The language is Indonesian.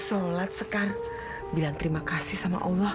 ya kamu harus sholat sekar bilang terima kasih sama allah